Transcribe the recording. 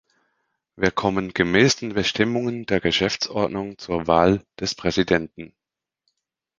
Wir kommen gemäß den Bestimmungen der Geschäftsordnung zur Wahl des Präsidenten.